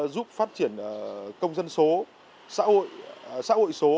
giúp phát triển công dân số xã hội số